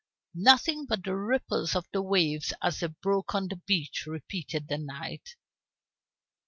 "Nothing but the ripples of the waves as they broke on the beach," repeated the knight.